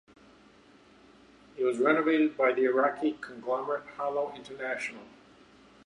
It was renovated by the Iraqi conglomerate Harlow International.